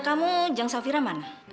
kamu jang saufira mana